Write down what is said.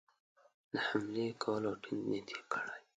د حملې کولو ټینګ نیت کړی دی.